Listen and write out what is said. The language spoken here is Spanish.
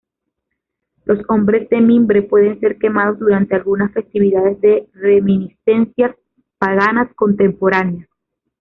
Los hombres de mimbre pueden ser quemados durante algunas festividades de reminiscencias paganas contemporáneas.